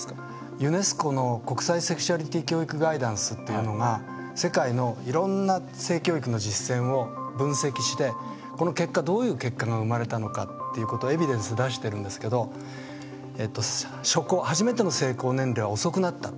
ユネスコの「国際セクシュアリティ教育ガイダンス」というのが世界のいろんな性教育の実践を分析して、この結果どういう結果が生まれたのかとエビデンス出してるんですけど初めての性交年齢は遅くなった。